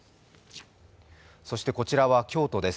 そして、こちらは京都です。